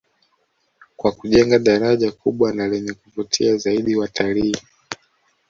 Kwa kujenga daraja kubwa na lenye kuvutia zaidi watalii